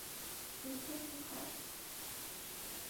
মেয়েটা কি মারা গেছে?